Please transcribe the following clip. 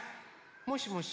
もしもし？